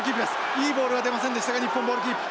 いいボールは出ませんでしたが日本ボールキープ。